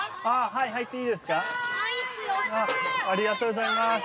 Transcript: はいはい。